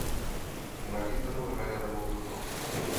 Na kytaru hraje levou rukou.